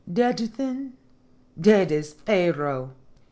Dead, then? Dead as Pharaoh!